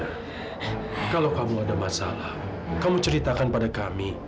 kalau kamu ada masalah kamu ceritakan pada kami